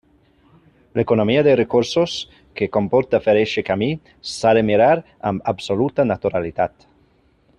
L'economia de recursos que comporta fer eixe camí s'ha de mirar amb absoluta naturalitat.